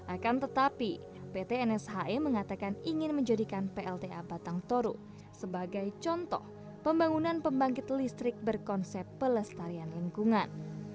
akan tetapi pt nshe mengatakan ingin menjadikan plta batang toru sebagai contoh pembangunan pembangkit listrik berkonsep pelestarian lingkungan